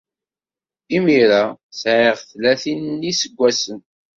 Imir-a, sɛiɣ tlatin n yiseggasen.